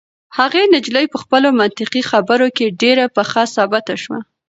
هغه نجلۍ په خپلو منطقي خبرو کې ډېره پخه ثابته شوه.